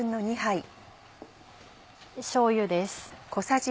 しょうゆです。